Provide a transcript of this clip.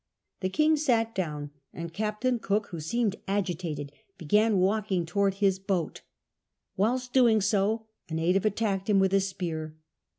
Tlie king sat down, and Captain Cook, avIio seemed agitated, began walking towanls his boat. Whilst doing so a native attacked him with a speiir.